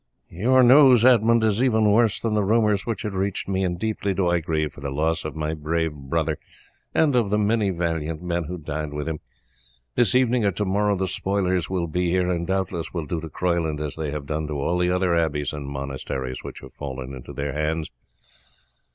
"Your news, Edmund, is even worse than the rumours which had reached me, and deeply do I grieve for the loss of my brave brother and of the many valiant men who died with him. This evening or to morrow the spoilers will be here, and doubtless will do to Croyland as they have done to all the other abbeys and monasteries which have fallen into their hands.